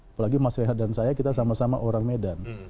apalagi mas rehat dan saya kita sama sama orang medan